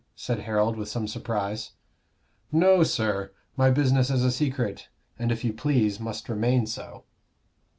said Harold, with some surprise. "No, sir. My business is a secret; and, if you please, must remain so."